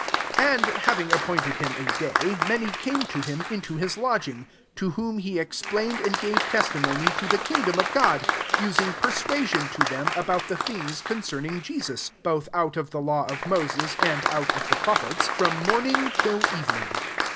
23 And having appointed him a day, many came to him into his lodging: to whom he ex plained and gave testimony to the khigdom of God, using per suasion to them [adout the things] concerning Jesus, both out of the law of Moses, and out of the prophets, from morn ing till evening.